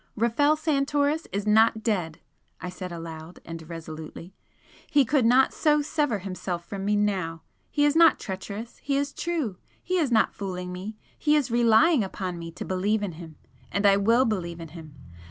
"Rafel Santoris is not dead!" I said aloud and resolutely "He could not so sever himself from me now! He is not treacherous he is true! He is not 'fooling' me he is relying upon me to believe in him. And I WILL believe in him!